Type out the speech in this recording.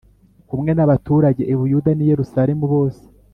kumwe n abaturage i Buyuda n i Yerusalemu bose